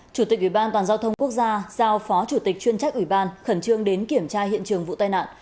chủ tịch ủy ban toàn giao thông quốc gia giao phó chủ tịch chuyên trách ủy ban khẩn trương đến kiểm tra hiện trường vụ tai nạn